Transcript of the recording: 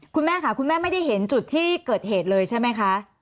คุณแม่ค่ะคุณแม่ไม่ได้เห็นจุดที่เกิดเหตุเลยใช่ไหมคะ